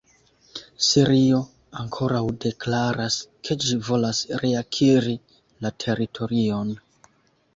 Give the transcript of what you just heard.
Sirio ankoraŭ deklaras, ke ĝi volas reakiri la teritorion.